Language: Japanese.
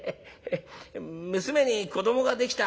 娘に子どもができた。